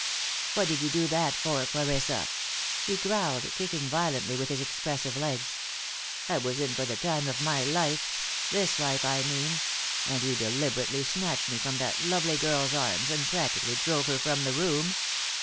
"What did you do that for, Clarissa?" he growled, kicking violently with his expressive legs. "I was in for the time of my life this life, I mean and you deliberately snatched me from that lovely girl's arms and practically drove her from the room.